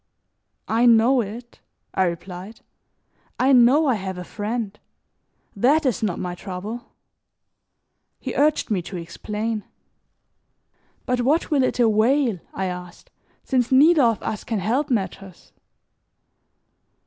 "I know it," I replied, "I know I have a friend; that is not my trouble." He urged me to explain. "But what will it avail," I asked, "since neither of us can help matters?